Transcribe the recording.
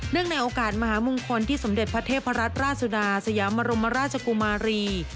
ในโอกาสมหามงคลที่สมเด็จพระเทพรัตนราชสุดาสยามรมราชกุมารี